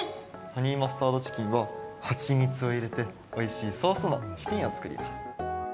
ハニーマスタードチキンははちみつをいれておいしいソースのチキンをつくります。